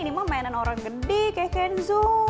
ini mah mainan orang gede kayak kenzo